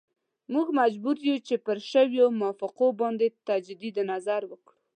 موږ مجبور یو چې پر شویو موافقو باندې تجدید نظر وکړو.